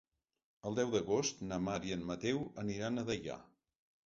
El deu d'agost na Mar i en Mateu aniran a Deià.